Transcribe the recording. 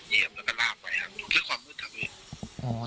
เยี่ยมแล้วก็ลาบไปดูด้วยความมืดครับวิว